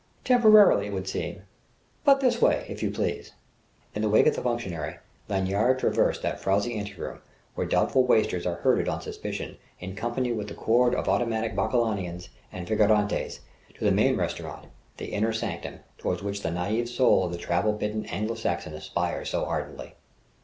"Temporarily, it would seem so." "But this way, if you please...." In the wake of the functionary, Lanyard traversed that frowsy anteroom where doubtful wasters are herded on suspicion in company with the corps of automatic Bacchanalians and figurantes, to the main restaurant, the inner sanctum toward which the naïve soul of the travel bitten Anglo Saxon aspires so ardently.